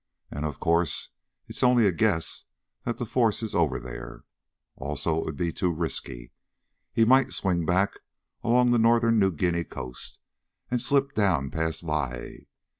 And, of course, it's only a guess that the force is over there. Also, it would be too risky. He might swing back along the northern New Guinea coast, and slip down past Lae.